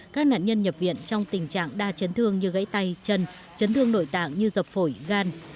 các nạn nhân nhập viện trong tình trạng đa chấn thương như gãy tay chân chấn thương nội tạng như dập phổi gan